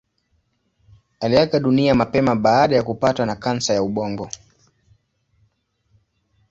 Aliaga dunia mapema baada ya kupatwa na kansa ya ubongo.